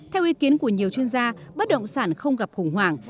theo ý kiến của nhiều chuyên gia bất động sản không gặp khủng hoảng